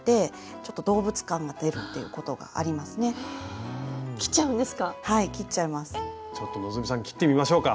ちょっと希さん切ってみましょうか。